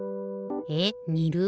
えっ「にる」？